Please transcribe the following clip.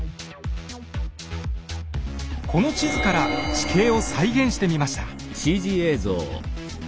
この地図から地形を再現してみました。